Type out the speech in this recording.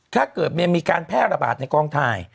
ถ้าเกิดมีการแพร่ระบาดในกองถ่าย